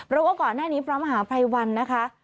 ว่าก่อนหน้านี้พระมหาภัยวันนะคะ